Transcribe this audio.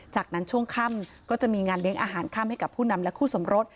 จากนั้นช่วงค่ำก็จะมีงานเลี้ยงอาหารค่ำให้กับผู้นำและคู่สมรส